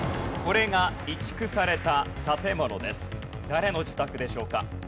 これが誰の自宅でしょうか？